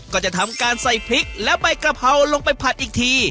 ก็จะทำการใส่พริกและใบกะเพราลงไปผัดอีกที